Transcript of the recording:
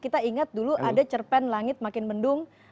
kita ingat dulu ada cerpen langit makin mendung